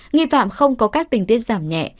nghi phạm không có các tình tiết giảm nhẹ